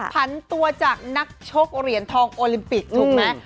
พันตัวจากนักชกเหรียญทองโอลิมปิกถูกไหม